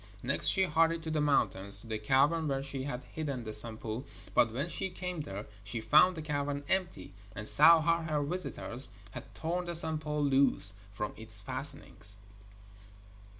Next she hurried to the mountains, to the cavern where she had hidden the Sampo, but when she came there she found the cavern empty, and saw how her visitors had torn the Sampo loose from its fastenings.